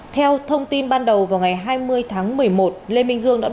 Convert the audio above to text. theo thông tin ban đầu vào ngày hai mươi tháng một mươi một